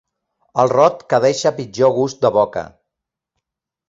El rot que deixa pitjor gust de boca.